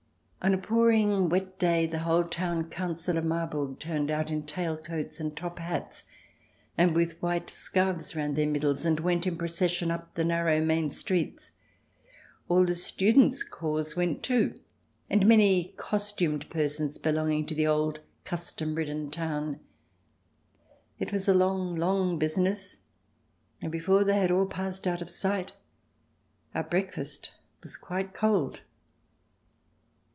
On a pouring wet day the whole Town Council of Marburg turned out in tail coats and top hats, and with white scarves round their middles, and went in procession up the narrow main streets. All the students' corps went too, and many cos tumed persons belonging to the old custom ridden town. It was a long, long business, and before they had all passed out of sight our breakfast was quite cold.